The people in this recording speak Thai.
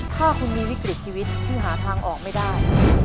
ถ้าคุณมีวิกฤตชีวิตที่หาทางออกไม่ได้